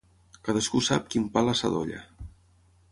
Cadascú sap quin pa l'assadolla.